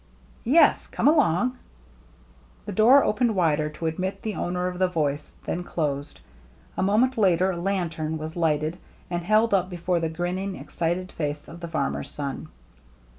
"Yes. Come along." The door opened wider to admit the owner of the voice, then closed. A moment later a lantern was lighted and held up before the grinning, excited face of the farmer's son.